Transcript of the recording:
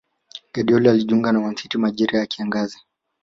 Guardiola alijiunga na Man City majira ya kiangazi